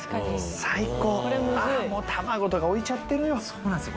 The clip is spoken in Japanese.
最高あーもう卵とか置いちゃってるよそうなんですよ